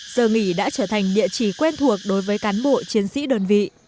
giờ nghỉ đã trở thành địa chỉ quen thuộc đối với cán bộ chiến sĩ đơn vị